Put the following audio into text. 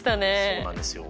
そうなんですよ。